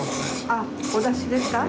あっ、お出汁ですか？